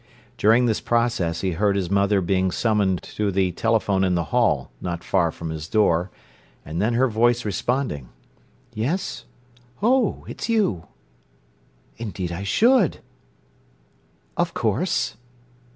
During this process he heard his mother being summoned to the telephone in the hall, not far from his door, and then her voice responding: "Yes? Oh, it's you! Indeed I should!... Of course...